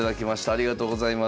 ありがとうございます。